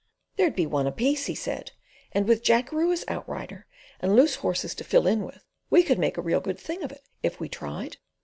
"There'd be one apiece," he said, "and with Jackeroo as outrider, and loose horses to fill in with, we could make a real good thing of it if we tried.